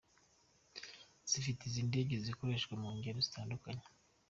zifite izi ndege zikorershwa mu ngendo zitandukanye.